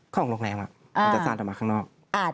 ของโรงแรมมันจะซาดออกมาข้างนอก